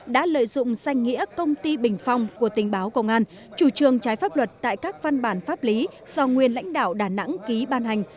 đã lợi dụng danh nghĩa công ty bình phong của tình báo công an chủ trương trái pháp luật tại các văn bản pháp lý do nguyên lãnh đạo đà nẵng ký ban hành